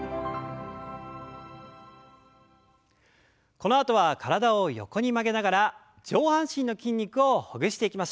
このあとは体を横に曲げながら上半身の筋肉をほぐしていきましょう。